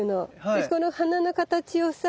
でこの花の形をさ